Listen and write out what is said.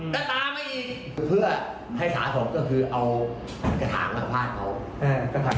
และให้สาทมก็คือเอากระถางน่ะฟาดเขา